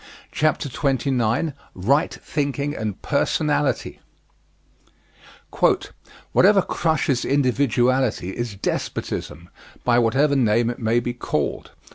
CHAPTER XXIX RIGHT THINKING AND PERSONALITY Whatever crushes individuality is despotism, by whatever name it may be called.